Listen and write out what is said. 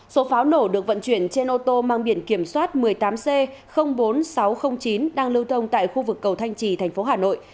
số pháo nổ được vận chuyển trên ô tô mang biển kiểm soát một mươi tám c bốn nghìn sáu trăm linh chín đang lưu thông tại khu vực cầu thanh trì thành phố hà nội